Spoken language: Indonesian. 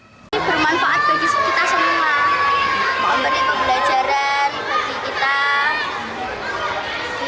bermanfaat bagi kita semua mohon berniwa pelajaran bagi kita